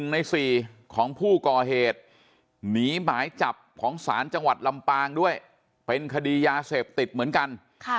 ใน๔ของผู้ก่อเหตุหนีหมายจับของศาลจังหวัดลำปางด้วยเป็นคดียาเสพติดเหมือนกัน